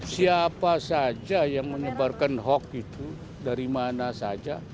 siapa saja yang menyebarkan hoax itu dari mana saja